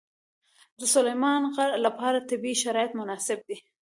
د سلیمان غر لپاره طبیعي شرایط مناسب دي.